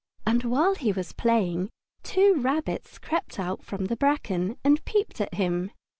And while he was playing, two rabbits crept out from the bracken and peeped at him.